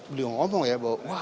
beliau ngomong ya bahwa